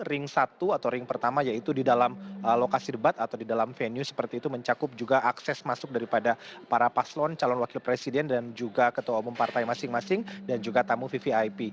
ring satu atau ring pertama yaitu di dalam lokasi debat atau di dalam venue seperti itu mencakup juga akses masuk daripada para paslon calon wakil presiden dan juga ketua umum partai masing masing dan juga tamu vvip